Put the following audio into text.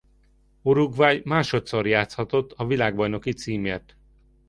Uruguay másodszor játszhatott a világbajnoki címért.